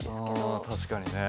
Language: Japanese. あ確かにね。